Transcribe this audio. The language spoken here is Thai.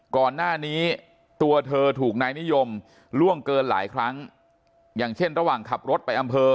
ก่อนหน้านี้ตัวเธอถูกนายนิยมล่วงเกินหลายครั้งอย่างเช่นระหว่างขับรถไปอำเภอ